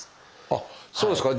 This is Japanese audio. あっそうですか。